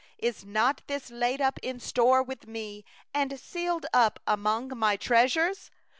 34'Is not this laid up in store with Me, Sealed up in My treasuries?